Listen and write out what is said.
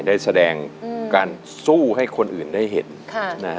ได้แสดงการสู้ให้คนอื่นได้เห็นค่ะนะฮะ